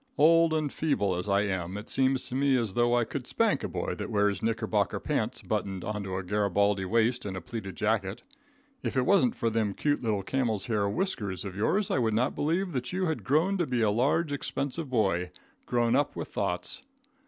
Old and feeble as I am, it seems to me as though I could spank a boy that wears knickerbocker pants buttoned onto a Garabaldy waist and a pleated jacket. If it wasn't for them cute little camel's hair whiskers of yours I would not believe that you had grown to be a large, expensive boy, grown up with thoughts.